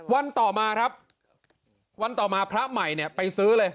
วันต่อมาครับวันต่อมาพระใหม่เนี่ยไปซื้อเลย